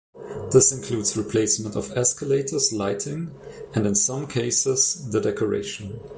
This includes replacement of escalators, lighting and in some cases the decoration.